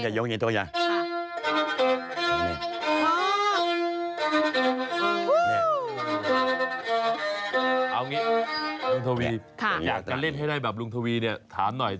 เรียนนานไหมฝึกนานไหม